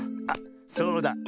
あっそうだ。